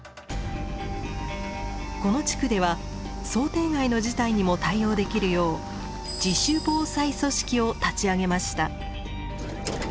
この地区では想定外の事態にも対応できるよう自主防災組織を立ち上げました。